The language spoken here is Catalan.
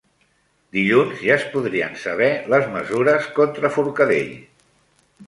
Dilluns ja es podrien saber les mesures contra Forcadell